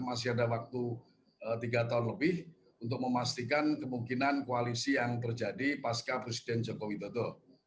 masih ada waktu tiga tahun lebih untuk memastikan kemungkinan koalisi yang terjadi pasca presiden joko widodo